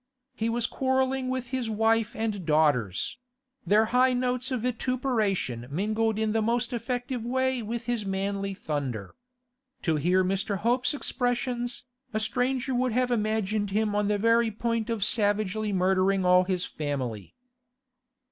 He was quarrelling with his wife and daughters; their high notes of vituperation mingled in the most effective way with his manly thunder. To hear Mr. Hope's expressions, a stranger would have imagined him on the very point of savagely murdering all his family.